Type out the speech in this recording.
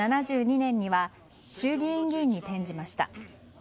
１９７２年には衆議院議員に転じました。